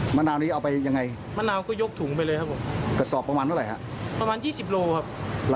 มะนาวนี้เอายังไงมะนาวก็ยกถุงไปเลยครับผม